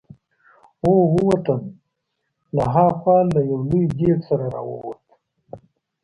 او ووتم، له ها خوا له یو لوی دېګ سره را ووت.